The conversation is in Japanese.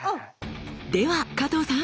では加藤さん